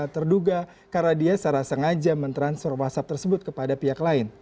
terduga karena dia secara sengaja mentransfer whatsapp tersebut kepada pihak lain